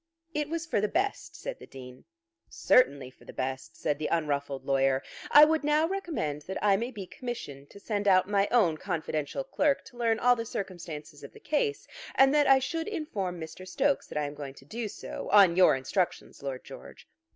"It was for the best," said the Dean. "Certainly for the best," said the unruffled lawyer. "I would now recommend that I may be commissioned to send out my own confidential clerk to learn all the circumstances of the case; and that I should inform Mr. Stokes that I am going to do so, on your instructions, Lord George."